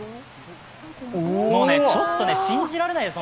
もう、ちょっと信じられないです